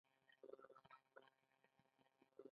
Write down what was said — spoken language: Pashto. زړه د رازونو کور دی.